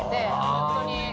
本当に。